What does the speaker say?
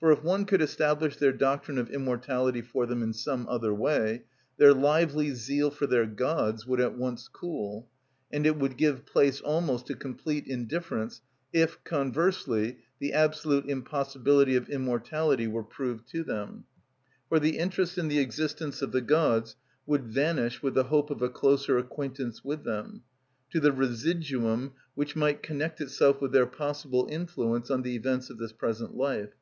For if one could establish their doctrine of immortality for them in some other way, their lively zeal for their gods would at once cool, and it would give place almost to complete indifference if, conversely, the absolute impossibility of immortality were proved to them; for the interest in the existence of the gods would vanish with the hope of a closer acquaintance with them, to the residuum which might connect itself with their possible influence on the events of this present life.